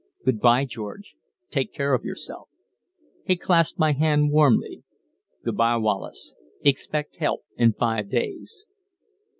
"Good bye, George. Take care of yourself." He clasped my hand warmly. "Good bye, Wallace. Expect help in five days."